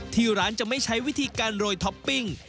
ที่ร้านจะไม่ใช้วิธีการโรยท็อปปิ้ง